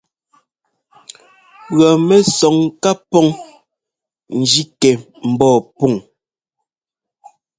Pʉ̈ɔmɛsɔŋ ká pɔŋ njí kɛ ḿbɔɔ pɔŋ.